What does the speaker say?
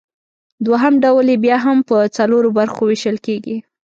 دوهم ډول یې بیا هم پۀ څلورو برخو ویشل کیږي